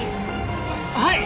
はい。